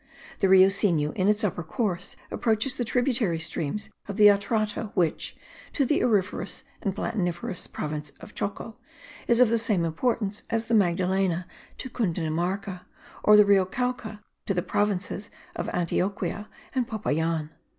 The Rio Sinu in its upper course approaches the tributary streams of the Atrato which, to the auriferous and platiniferous province of Choco, is of the same importance as the Magdalena to Cundinamarca, or the Rio Cauca to the provinces of Antioquia and Popayan.